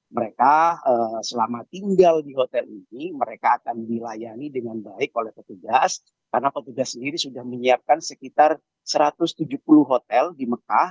mereka selama tinggal di hotel ini mereka akan dilayani dengan baik oleh petugas karena petugas sendiri sudah menyiapkan sekitar satu ratus tujuh puluh hotel di mekah